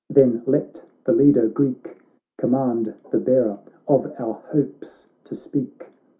then let the leader Greek Command the bearer of our hopes to speak.'